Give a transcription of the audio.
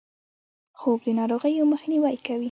خوب د ناروغیو مخنیوی کوي